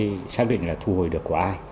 chúng tôi xác định là thu hồi được của ai